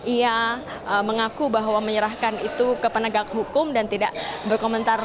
ia mengaku bahwa menyerahkan itu ke penegak hukum dan tidak berkomentar